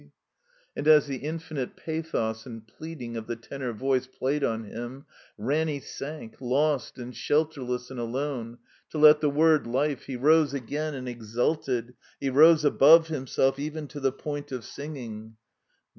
And as the infinite pathos and pleading of the tenor voice' played on him, Ranny sank, lost and shelterless and alone, till at the word "Life" he rose again and exulted, he rose above himself, even to the point of singing.